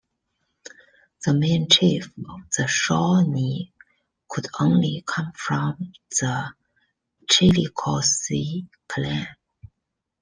The main chief of the Shawnee could only come from the Chillicothe clan.